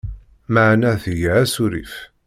Meεna tga asurif.